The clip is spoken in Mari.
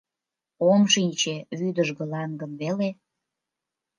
— Ом шинче, вӱдыжгылан гын веле.